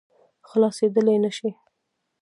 خلاصېدلای نه شي.